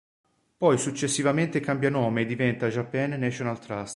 Poi successivamente cambia nome e diventa "Japan National Trust".